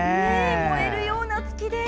燃えるような月です。